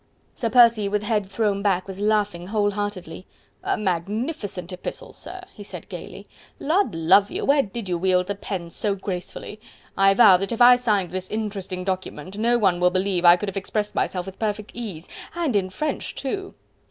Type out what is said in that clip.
Sir Percy, with head thrown back, was laughing whole heartedly. "A magnificent epistle, sir," he said gaily, "Lud love you, where did you wield the pen so gracefully?... I vow that if I signed this interesting document no one will believe I could have expressed myself with perfect ease.. and in French too..."